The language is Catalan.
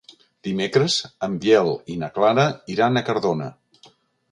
Dimecres en Biel i na Clara iran a Cardona.